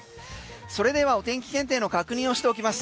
それではお天気検定の確認をしておきます。